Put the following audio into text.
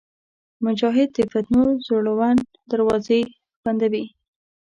مجاهد د فتنو زوړند دروازې بندوي.